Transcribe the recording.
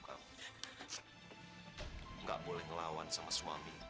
kamu tuh kenapa sih ngebambang bambang sama suami